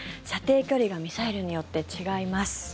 射程距離がミサイルによって違います。